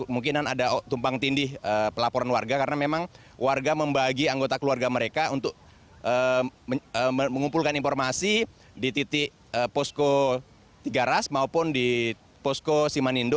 mungkin ada tumpang tindih pelaporan warga karena memang warga membagi anggota keluarga mereka untuk mengumpulkan informasi di titik posko tiga ras maupun di posko simanindo